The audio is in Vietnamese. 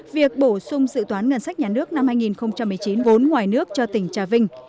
việc bổ sung dự toán ngân sách nhà nước năm hai nghìn một mươi chín vốn ngoài nước cho tỉnh trà vinh